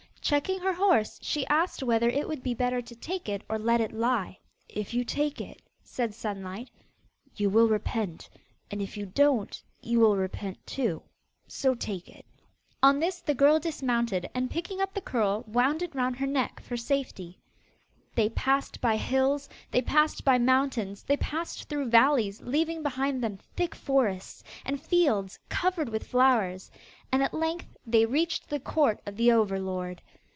Checking her horse, she asked whether it would be better to take it or let it lie. 'If you take it,' said Sunlight, 'you will repent, and if you don't, you will repent too: so take it.' On this the girl dismounted, and picking up the curl, wound it round her neck for safety. They passed by hills, they passed by mountains, they passed through valleys, leaving behind them thick forests, and fields covered with flowers; and at length they reached the court of the over lord.